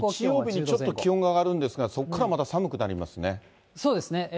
日曜日にちょっと気温上がるんですが、そこからまた寒くなりそうですね。